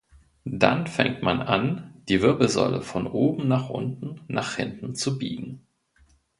Dann fängt man an die Wirbelsäule von oben nach unten nach hinten zu biegen.